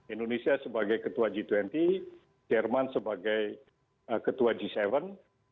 indonesia sebagai ketua g dua puluh jerman sebagai ketua g tujuh